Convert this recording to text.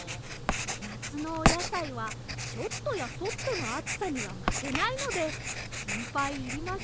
なつのおやさいはちょっとやそっとのあつさにはまけないのでしんぱいいりませんよ。